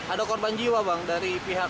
ada korban jiwa bang dari pihak